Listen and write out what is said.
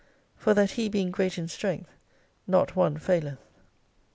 For that He being great in strength, not one faileth.